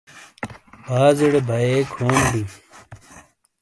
بازیڈے بائیے کھونی بئے ۔